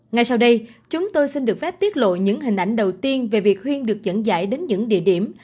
ngay sau đây chúng tôi xin được phép tiết lộ những hình ảnh đầu tiên về việc huyên được dẫn dãi đến những địa điểm